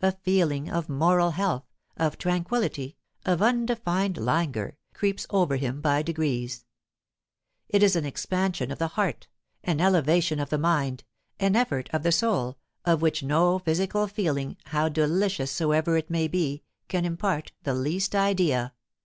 A feeling of moral health, of tranquillity, of undefined languor, creeps over him by degrees. It is an expansion of the heart, an elevation of the mind, an effort of the soul, of which no physical feeling, how delicious soever it may be, can impart the least idea.